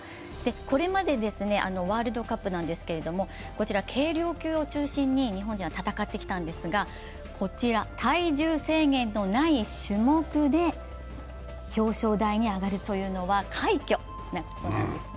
これまで、ワールドカップですけれども、こちら軽量級を中心に日本人は戦ってきたんですがこちら、体重制限のない種目で表彰台に上がるというのは快挙なことなんですね。